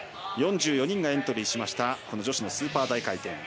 ４４人がエントリーした女子のスーパー大回転。